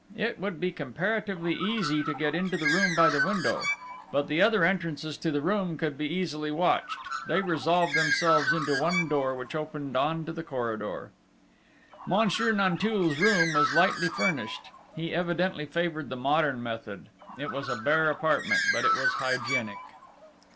It would be comparatively easy to get into the room by the window; but the other entrances to the room could be easily watched; they resolved themselves into one door, which opened on to the corridor. Monsieur Nanteuil's room was lightly furnished: he evidently favoured the modern method: it was a bare apartment, but it was hygienic.